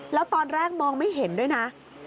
แล้วตอนแรกมองไม่เห็นด้วยนะ